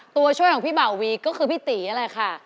ตัวช่วยของพี่บ่าวีก็คือพี่ตีอะไรค่ะ